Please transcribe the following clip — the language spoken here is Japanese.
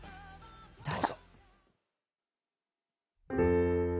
どうぞ。